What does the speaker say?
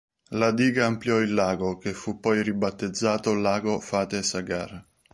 La diga ampliò il lago che fu poi ribattezzato, lago Fateh Sagar.